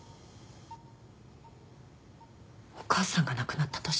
お母さんが亡くなった年？